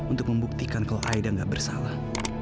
untuk membuktikan kalau aida nggak bersalah